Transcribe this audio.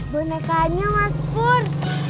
bonekanya mas pur